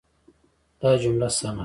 دا جمله سمه ده.